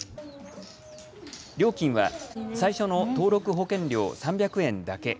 料金は最初の登録保険料、３００円だけ。